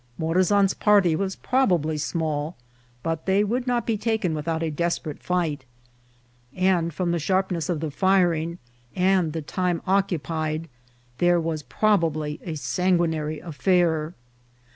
Morazan's party was probably small, but they would not be taken without a desperate fight ; and from the sharpness of the firing and the time oc cupied, vlhere was probably a sanguinary affair.